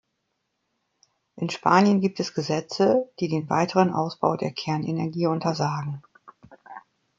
In Spanien gibt es Gesetze, die den weiteren Ausbau der Kernenergie untersagen.